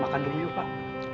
makan dulu ya pak